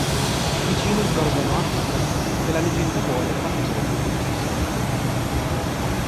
Vicino sgorgano acque curative che la leggenda vuole fatte scaturire dal santo.